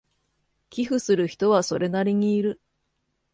寄付する人はそれなりにいる